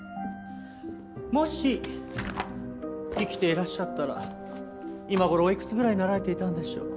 もし生きていらっしゃったら今頃おいくつぐらいになられていたんでしょう？